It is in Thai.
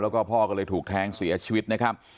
แล้วก็พ่อก็เลยถูกแทงเสียชีวิตนะครับ